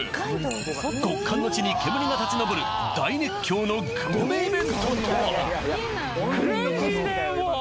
極寒の地に煙が立ち上る大熱狂のグルメイベントとは？